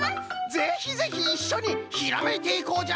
ぜひぜひいっしょにひらめいていこうじゃ。